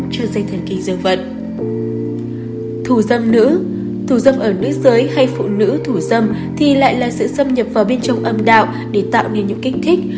thù giây nữ thủ dâm ở nữ giới hay phụ nữ thủ dâm thì lại là sự xâm nhập vào bên trong âm đạo để tạo nên những kích thích